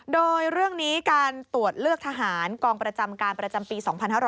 โดยเรื่องนี้การตรวจเลือกทหารกองประจำการประจำปี๒๕๕๙